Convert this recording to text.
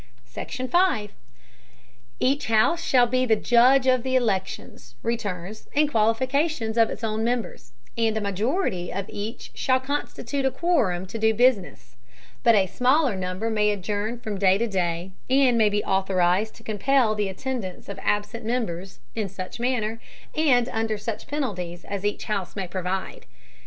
SECTION. 5. Each House shall be the Judge of the Elections, Returns and Qualifications of its own Members, and a Majority of each shall constitute a Quorum to do Business; but a smaller Number may adjourn from day to day, and may be authorized to compel the Attendance of absent Members, in such Manner, and under such Penalties as each House may provide.